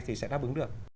thì sẽ đáp ứng được